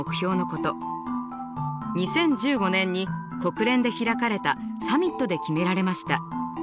２０１５年に国連で開かれたサミットで決められました。